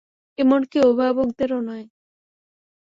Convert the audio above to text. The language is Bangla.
এমনকি অভিভাবকদেরও নয়।